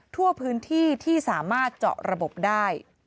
ทั่วพื้นที่ที่สามารถเจาะระบบได้